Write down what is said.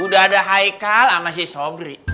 udah ada haikal sama si sobri